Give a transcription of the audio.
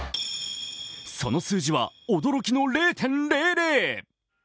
その数字は驚きの０．００。